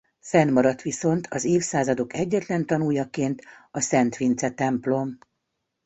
Fennmaradt viszont az évszázadok egyetlen tanújaként a Szent Vince templom.